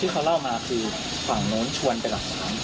เขาเล่ามาคือฝั่งโน้นชวนไปหลักฐาน